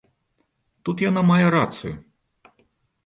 Тут яна мае рацыю.